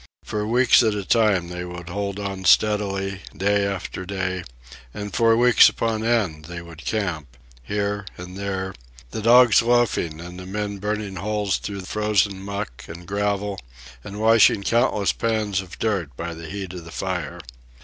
For weeks at a time they would hold on steadily, day after day; and for weeks upon end they would camp, here and there, the dogs loafing and the men burning holes through frozen muck and gravel and washing countless pans of dirt by the heat of the fire.